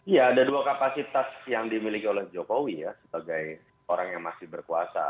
ya ada dua kapasitas yang dimiliki oleh jokowi ya sebagai orang yang masih berkuasa